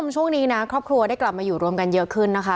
ช่วงนี้นะครอบครัวได้กลับมาอยู่รวมกันเยอะขึ้นนะคะ